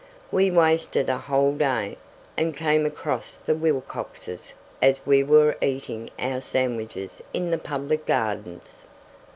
We wasted a whole day, and came across the Wilcoxes as we were eating our sandwiches in the public gardens.